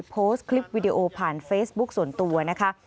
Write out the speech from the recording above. โพสต์คลิปวิดีโอผ่านเฟซบุ๊คส่วนตัวนะคะ